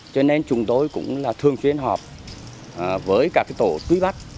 cho nên chúng tôi cũng là thường xuyên họp với các tổ tuy bắt